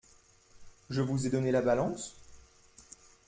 Je vous ai donné la balance ?